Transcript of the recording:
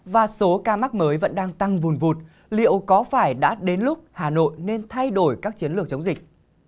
và số ca mắc mới vẫn đang tăng vùn vụt liệu có phải đã đến lúc hà nội nên thay đổi các chiến lược chống dịch